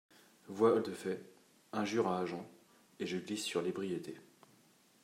Voies de fait, injures à agent, et je glisse sur l’ébriété.